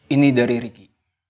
ini dari riki